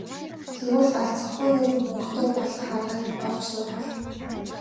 Тэгвэл алзахгүйгээр мөнгөтэй болох аргыг олж сурах болно.